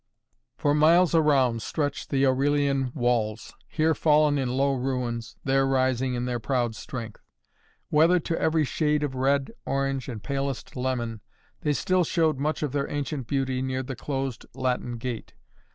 For miles around stretched the Aurelian walls, here fallen in low ruins, there still rising in their proud strength. Weathered to every shade of red, orange, and palest lemon, they still showed much of their ancient beauty near the closed Latin gate.